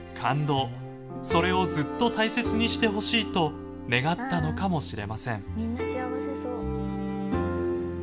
それをずっと大切にしてほしいと願ったのかもしれません。